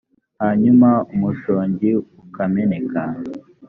hanyuma umushongi ukameneka